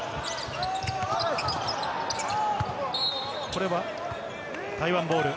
これは台湾ボール。